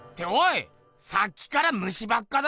さっきから虫ばっかだな！